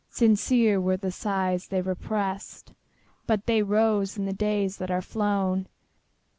Sincere were the sighs they represt, But they rose in the days that are flown!